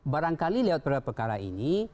barangkali lewat perkara ini